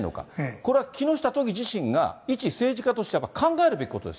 これは木下都議自身が一政治家としてやっぱり考えるべきことです